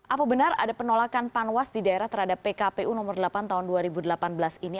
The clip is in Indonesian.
apa benar ada penolakan panwas di daerah terhadap pkpu nomor delapan tahun dua ribu delapan belas ini